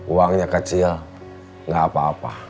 uangnya kecil nggak apa apa